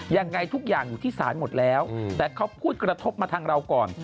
ยังไงทุกอย่างอยู่ที่ศาลหมดแล้วแต่เขาพูดกระทบมาทางเราก่อน